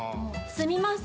すみません。